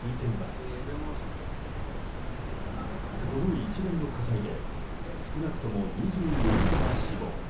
この一連の火災で少なくとも２４人が死亡。